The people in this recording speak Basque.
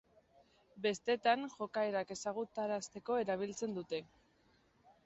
Bestetan, jokaerak ezagutarazteko erabiltzen dute.